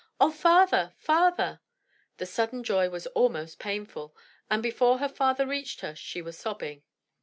Oh, father, father!" The sudden joy was almost painful, and before her father reached her, she was sobbing.